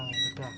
ini seperti ini